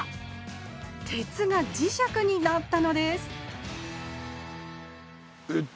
鉄が磁石になったのですえっ